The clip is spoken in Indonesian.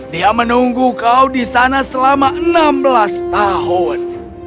dia menunggu kau di sana selama enam belas tahun